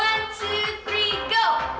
aduh gimana sih